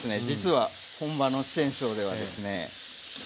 実は本場の四川省ではですね